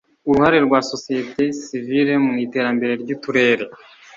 uruhare rwa sosiyete sivire mu iterambere ry’uturere